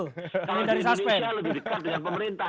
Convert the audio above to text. kalau di indonesia lebih dekat dengan pemerintah